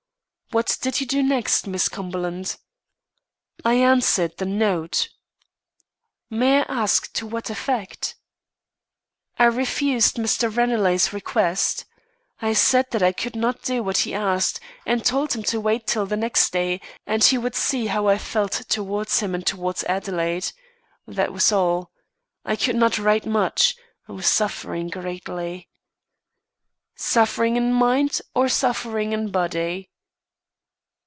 "What did you do next, Miss Cumberland?" "I answered the note." "May I ask to what effect?" "I refused Mr. Ranelagh's request. I said that I could not do what he asked, and told him to wait till the next day, and he would see how I felt towards him and towards Adelaide. That was all. I could not write much. I was suffering greatly." "Suffering in mind, or suffering in body?"